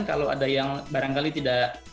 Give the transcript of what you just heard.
kalau ada yang barangkali tidak